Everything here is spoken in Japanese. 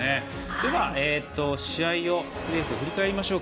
ではレースを振り返りましょう。